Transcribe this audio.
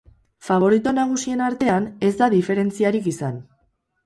Faborito nagusien artean, ez da diferentziarik izan.